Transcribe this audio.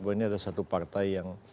bahwa ini ada satu partai yang